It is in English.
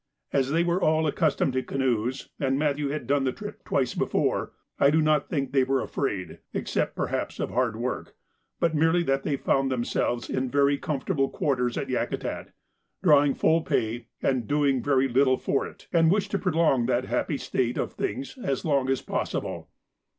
As they were all accustomed to canoes, and Matthew had done the trip twice before, I do not think they were afraid (except perhaps of hard work), but merely that they found themselves in very comfortable quarters at Yakutat, drawing full pay and doing very little for it, and wished to prolong that happy state of things as long as possible.